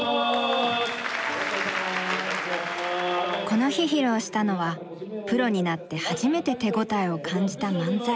この日披露したのはプロになって初めて手応えを感じた漫才。